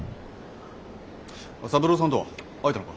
三郎さんとは会えたのか？